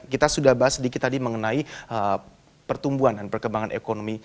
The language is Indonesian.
kita sudah bahas sedikit tadi mengenai pertumbuhan dan perkembangan ekonomi